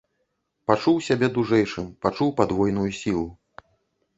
Пачуў сябе дужэйшым, пачуў падвойную сілу.